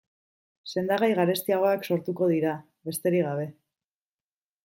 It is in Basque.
Sendagai garestiagoak sortuko dira, besterik gabe.